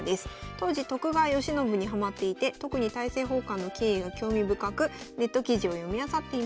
当時徳川慶喜にハマっていて特に大政奉還の経緯は興味深くネット記事を読みあさっていました。